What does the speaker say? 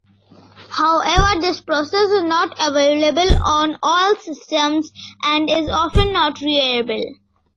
However, this process is not available on all systems and is often not reliable.